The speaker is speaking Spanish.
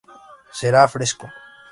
Será fresco.